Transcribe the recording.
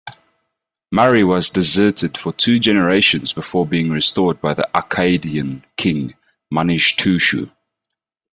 Mari was deserted for two generations before being restored by the Akkadian king Manishtushu.